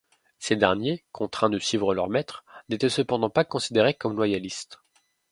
Ces derniers, contraints de suivre leurs maîtres, n'étaient cependant pas considérés comme loyalistes.